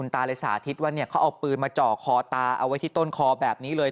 ตาเลยสาธิตว่าเขาเอาปืนมาจ่อคอตาเอาไว้ที่ต้นคอแบบนี้เลย